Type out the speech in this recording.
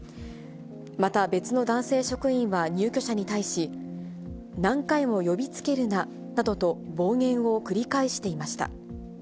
また別の男性職員は入居者に対し、何回も呼びつけるななどと暴言を繰り返していました。